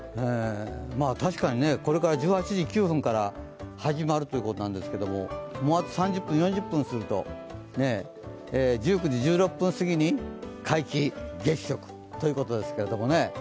確かにこれから１８時９分から始まるということですけどもうあと３０４０分すると、１９時１６分すぎに皆既月食ということですけれどもね。